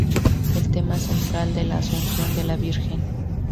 El tema central es la Asunción de la Virgen.